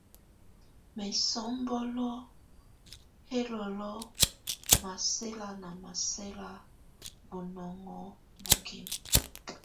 Mɛsɔ́mbɔ́lɔ́ ɛ lɔlɔ́ masɛla na masɛla bɔnonŋɔ bukim.